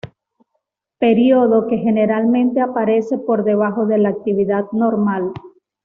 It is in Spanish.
Período, que generalmente aparece por debajo de la actividad normal.